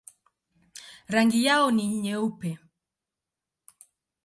Rangi yao ni nyeupe.